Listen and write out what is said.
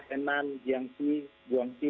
henan jiangxi guangxi